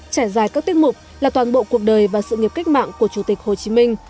trải dài các tiết mục là toàn bộ cuộc đời và sự nghiệp cách mạng của chủ tịch hồ chí minh